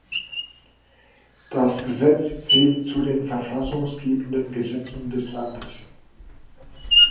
Das Gesetzt zählt zu den verfassungsgebenden Gesetzen des Landes.